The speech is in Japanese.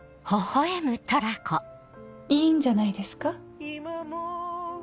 いいんじゃないですか。